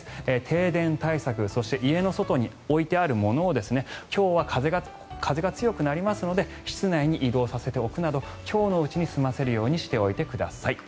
停電対策そして家の外に置いてあるものを今日は風が強くなりますので室内に移動させておくなど今日のうちに済ませるようにしておいてください。